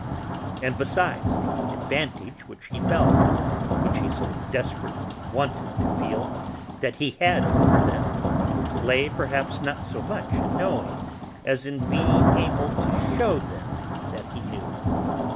And besides, the advantage which he felt which he so desperately wanted to feel that he had over them, lay perhaps not so much in knowing as in being able to shew them that he knew.